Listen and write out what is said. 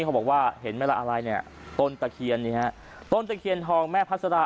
เขาบอกว่าเห็นไหมล่ะอะไรเนี่ยต้นตะเคียนนี้ฮะต้นตะเคียนทองแม่พัสรา